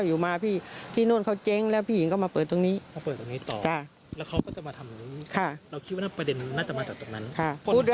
ตอนนี้ทุกคนครอบครัวก็กลัวหมด